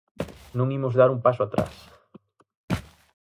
Non imos dar un paso atrás.